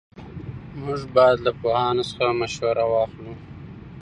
موږ باید له پوهانو څخه مشوره واخلو.